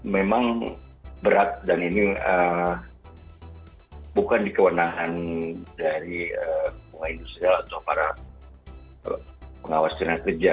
memang berat dan ini bukan dikewenahan dari punggai indonesia atau para pengawas tenaga kerja